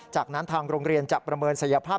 จากนั้นทางโรงเรียนจะประเมินศักยภาพ